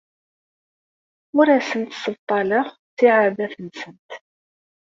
Ur asent-ssebṭaleɣ ttiɛadat-nsent.